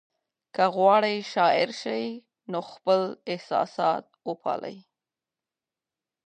که غواړئ شاعر شئ نو خپل احساسات وپالئ.